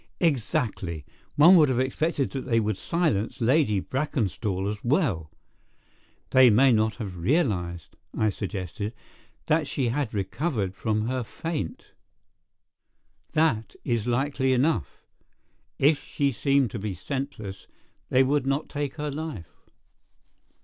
"Exactly. One would have expected that they would silence Lady Brackenstall as well." "They may not have realized," I suggested, "that she had recovered from her faint." "That is likely enough. If she seemed to be senseless, they would not take her life.